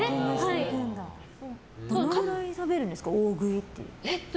どのくらい食べるんですか大食いっていうと。